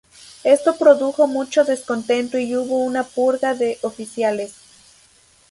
Esto produjo mucho descontento y hubo una purga de oficiales.